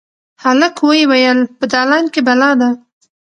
هلک ویې ویل: «په دالان کې بلا ده.»